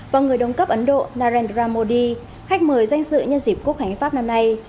và người đồng cấp ấn độ narendra modi khách mời danh dự nhân dịp quốc hành pháp năm nay